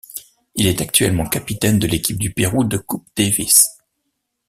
Il est actuellement capitaine de l'équipe du Pérou de Coupe Davis.